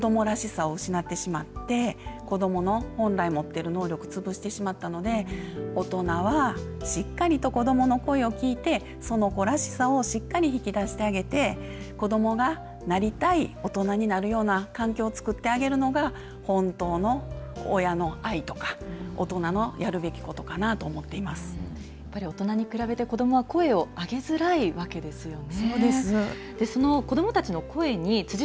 そうすると子どもらしさを失ってしまって子どもの本来持ってる能力をつぶしてしまったので大人はしっかりと子どもの声を聞いてその子らしさをしっかり引き出してあげて子どもがなりたい大人になるような環境を作ってあげるのが本当の親の愛とか大人のやるべきことかなとやっぱり大人に比べて子どもは声を上げづらいわけですよね。